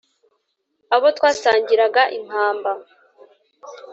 abo twasangiraga impamba